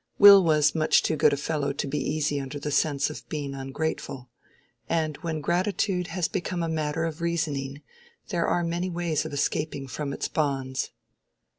Will was much too good a fellow to be easy under the sense of being ungrateful. And when gratitude has become a matter of reasoning there are many ways of escaping from its bonds.